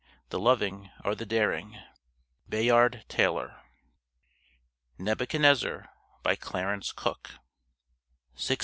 The loving are the daring. BAYARD TAYLOR NEBUCHADNEZZAR By CLARENCE COOK (645 561 B.